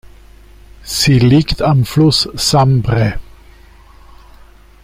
Sie liegt am Fluss Sambre.